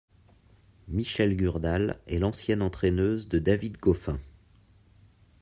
Michèle Gurdal est l'ancienne entraîneuse de David Goffin.